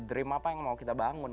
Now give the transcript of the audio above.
dream apa yang mau kita bangun